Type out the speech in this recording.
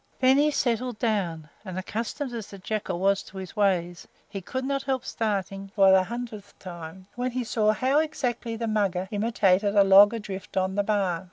Then he settled down, and, accustomed as the Jackal was to his ways, he could not help starting, for the hundredth time, when he saw how exactly the Mugger imitated a log adrift on the bar.